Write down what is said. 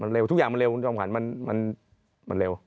มันเร็วทุกอย่างมันเร็วมันเร็ว